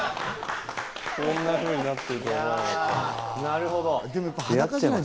こんなふうになってるとは思わなかったな。